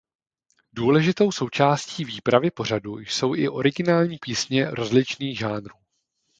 Důležitou součástí výpravy pořadu jsou i originální písně rozličných žánrů.